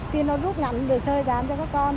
thì nó rút ngắn được thời gian cho các con